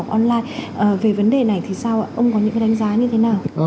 về vấn đề này thì sao ạ ông có những cái đánh giá như thế nào